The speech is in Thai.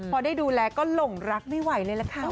พอได้ดูแลก็หลงรักไม่ไหวเลยล่ะค่ะ